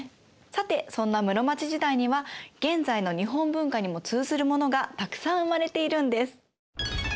さてそんな室町時代には現在の日本文化にも通ずるものがたくさん生まれているんです。